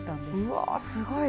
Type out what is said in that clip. うわすごい！